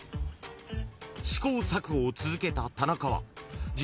［試行錯誤を続けた田中は実はその］